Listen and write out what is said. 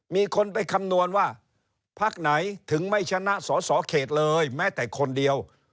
มีคนไปคำนวณว่าพักไหนถึงไม่ชนะสอสอเขตเลยแม้แต่คนเดียว